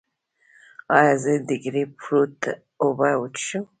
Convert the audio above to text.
ایا زه د ګریپ فروټ اوبه وڅښم؟